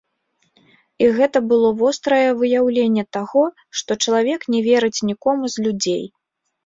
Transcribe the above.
І гэта было вострае выяўленне таго, што чалавек не верыць нікому з людзей.